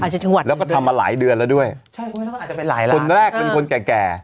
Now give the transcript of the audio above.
อาจจะควรแล้วก็ทำมาหลายเดือนแล้วด้วยคนแรกเป็นคนแก่